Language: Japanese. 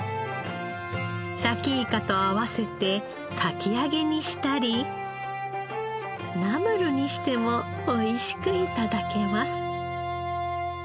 さきいかと合わせてかき揚げにしたりナムルにしても美味しく頂けます。